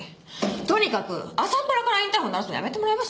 とにかく朝っぱらからインターホン鳴らすのやめてもらえます？